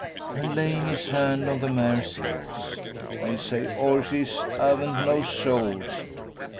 And laying his hand on the mare's ears, 'They zay 'orses 'aven't no souls.